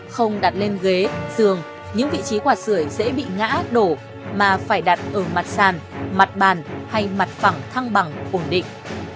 không đặt lên ghế giường những vị trí quả sửa dễ bị ngã đổ mà phải đặt ở mặt sàn mặt bàn hay mặt phẳng thăng bằng ổn định